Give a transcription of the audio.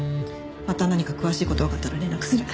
また何か詳しい事がわかったら連絡する。